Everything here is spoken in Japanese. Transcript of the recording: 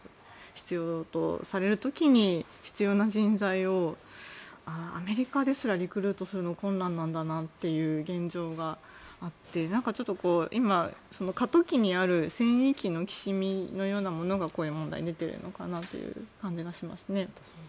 必要とされる時に必要な人材をアメリカですらリクルートするのが困難なんだという現状があって今、過渡期にある戦域のきしみみたいなものがこういう問題に出ているのかなという気がしますね。